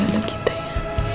anak kita ya